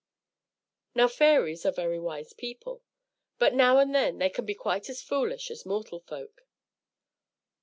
Now fairies are very wise people, but now and then they can be quite as foolish as mortal folk.